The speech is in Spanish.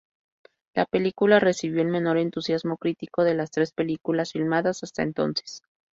La película recibió el menor entusiasmo crítico de las tres películas filmadas hasta entonces.